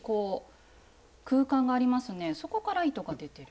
そこから糸が出てる？